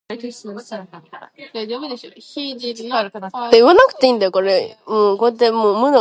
The school condemned the video.